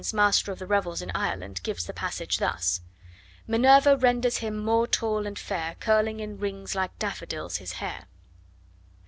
's Master of the Revels in Ireland gives the passage thus: Minerva renders him more tall and fair, Curling in rings like daffodils his hair.